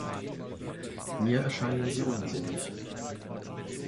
Mir erscheinen sie unsinnig.